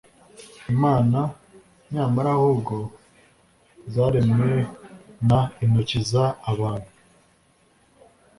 imana nyamana ahubwo zaremwe n intoki z abantu